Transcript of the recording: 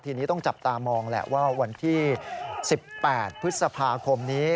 ทีนี้ต้องจับตามองแหละว่าวันที่๑๘พฤษภาคมนี้